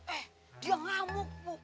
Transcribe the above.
eh dia ngamuk